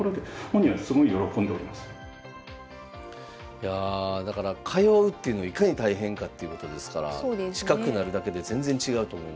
いやあだから通うっていうのいかに大変かっていうことですから近くなるだけで全然違うと思いますよね。